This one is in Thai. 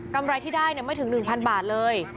กำไรที่ได้เนี่ยไม่ถึง๑๐๐๐บาทเลย